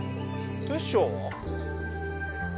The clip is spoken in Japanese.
テッショウは？